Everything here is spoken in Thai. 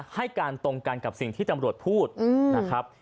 ให้การตรงกันกับสิ่งที่ตำรวจพูดนะครับ